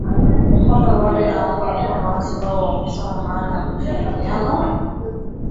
kwamba Rwanda inaunga mkono waasi hao na kusema maana ya ushirikiano